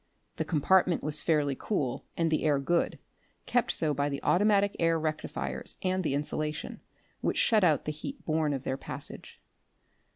The compartment was fairly cool and the air good kept so by the automatic air rectifiers and the insulation, which shut out the heat born of their passage.